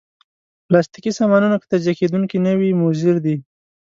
پلاستيکي سامانونه که تجزیه کېدونکي نه وي، مضر دي.